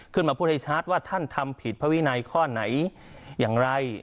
ขึ้นมาพูดให้ชัดว่าท่านทำผิดพระวินัยข้อไหนอย่างไร